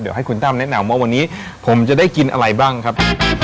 เดี๋ยวให้คุณตั้มแนะนำว่าวันนี้ผมจะได้กินอะไรบ้างครับ